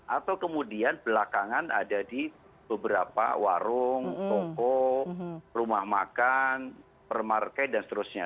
atau kemudian belakangan ada di beberapa warung toko rumah makan permarkai dan seterusnya